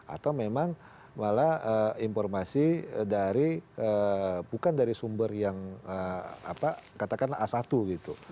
atau memang malah informasi dari bukan dari sumber yang katakanlah a satu gitu